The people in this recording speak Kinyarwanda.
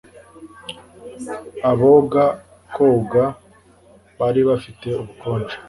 Aboga koga bari bafite ubukonje